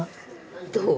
どう？